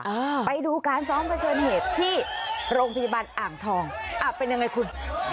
อ่าไปดูการซ้อมเผชิญเหตุที่โรงพยาบาลอ่างทองอ่าเป็นยังไงคุณ